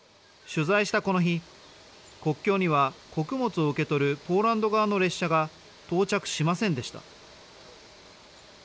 取材したこの日国境には、穀物を受け取るポーランド側の列車が到着しませんでした。